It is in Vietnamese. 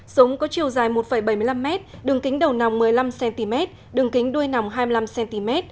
sống có chiều dài một bảy mươi năm m đường kính đầu nòng một mươi năm cm đường kính đuôi nòng hai mươi năm cm